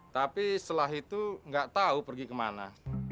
tapi setelah itu gak tau pergi kemana